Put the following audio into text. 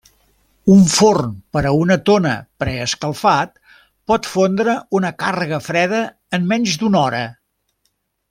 Un forn per una tona preescalfat pot fondre una càrrega freda en menys d'una hora.